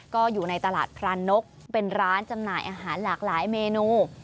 ก็อยู่ในตลาดพรานนกเป็นร้านจำหน่ายอาหารหลากหลายเมนู